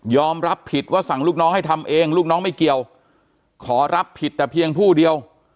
รับผิดว่าสั่งลูกน้องให้ทำเองลูกน้องไม่เกี่ยวขอรับผิดแต่เพียงผู้เดียว